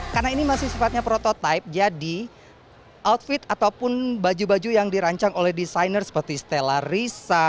karena ini masih sifatnya prototype jadi outfit ataupun baju baju yang dirancang oleh designer seperti stella risa